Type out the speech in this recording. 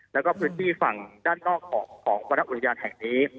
แล้วก็พื้นที่ฝั่งด้านนอกของวรรณอุทยานแห่งนี้